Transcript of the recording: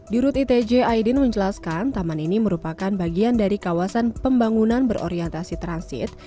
di rut itj aidin menjelaskan taman ini merupakan bagian dari kawasan pembangunan berorientasi transit